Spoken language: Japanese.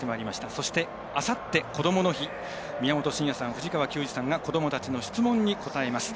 そして、あさってこどもの日、宮本慎也さん藤川球児さんが子どもたちの質問に答えます。